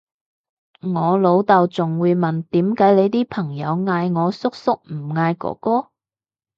我老豆仲會問點解你啲朋友嗌我叔叔唔嗌哥哥？